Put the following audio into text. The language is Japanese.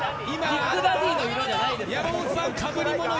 ビッグダディの色じゃないです。